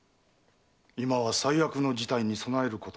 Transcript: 今は最悪の事態に備えることが肝要かと。